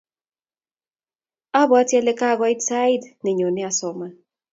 abwatii ale kakoit sait nenyune asoman.